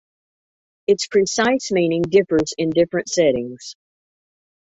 Its precise meaning differs in different settings.